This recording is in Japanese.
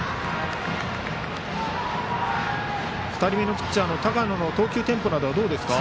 ２人目のピッチャーの高野の投球テンポはどうでしょうか。